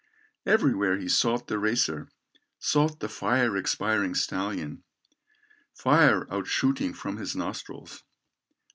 Everywhere he sought the racer, Sought the fire expiring stallion, Fire out shooting from his nostrils.